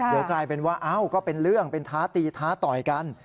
เดี๋ยวกลายเป็นว่าเอ้าก็เป็นเรื่องเป็นท้าตีท้าต่อยกัน